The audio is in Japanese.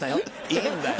いいんだよ！